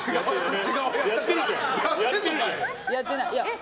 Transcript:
やってない。